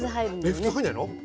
普通入んないの？